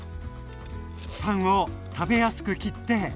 パンを食べやすく切って。